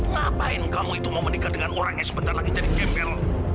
ngapain kamu itu mau menikah dengan orang yang sebentar lagi jadi gembel